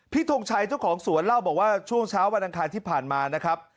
ทงชัยเจ้าของสวนเล่าบอกว่าช่วงเช้าวันอังคารที่ผ่านมานะครับ